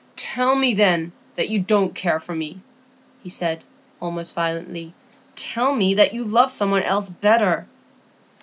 "Tell me, then, that you don't care for me," he said, almost violently. "Tell me that you love some one else better."